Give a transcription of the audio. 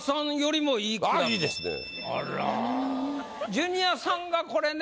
ジュニアさんがこれね。